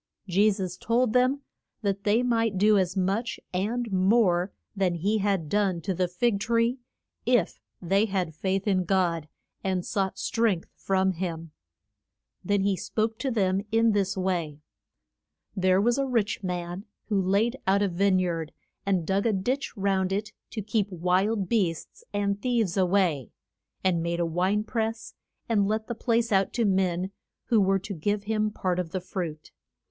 Je sus told them that they might do as much and more than he had done to the fig tree, if they had faith in God, and sought strength from him. [Illustration: CHRIST WEEP ING O VER JER U SA LEM.] Then he spoke to them in this way: There was a rich man who laid out a vine yard, and dug a ditch round it to keep wild beasts and thieves a way, and made a wine press, and let the place out to men who were to give him part of the fruit.